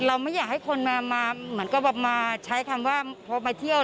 เราไม่อยากให้คนมาใช้คำว่าพบมาเที่ยว